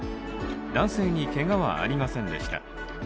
男性にけがはありませんでした。